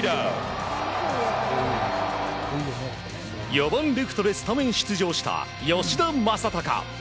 ４番レフトでスタメン出場した吉田正尚。